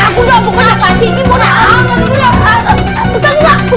aku udah ampunnya pasiennya